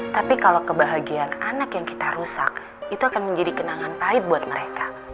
tapi kalau kebahagiaan anak yang kita rusak itu akan menjadi kenangan pahit buat mereka